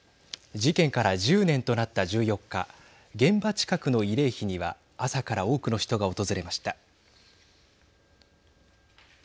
事件から１０年となった１４日現場近くの慰霊碑には朝から多くの人が訪れました。